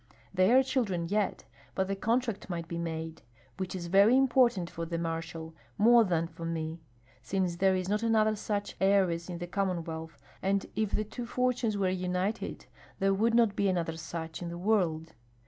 They are children yet, but the contract might be made, which is very important for the marshal, more than for me, since there is not another such heiress in the Commonwealth, and if the two fortunes were united, there would not be another such in the world.